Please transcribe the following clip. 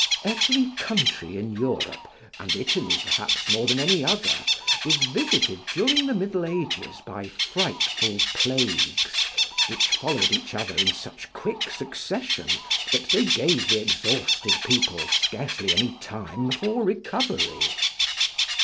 Every country in Europe, and Italy perhaps more than any other, was visited during the middle ages by frightful plagues, which followed each other in such quick succession that they gave the exhausted people scarcely any time for recovery.